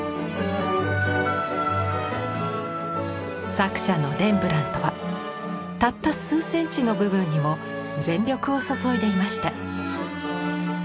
作者のレンブラントはたった数センチの部分にも全力を注いでいました。